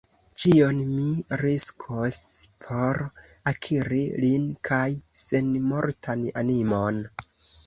Ĉion mi riskos, por akiri lin kaj senmortan animon!